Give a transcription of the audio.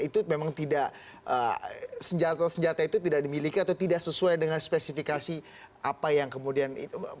itu memang tidak senjata senjata itu tidak dimiliki atau tidak sesuai dengan spesifikasi apa yang kemudian itu